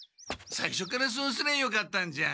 さいしょからそうすりゃよかったんじゃ。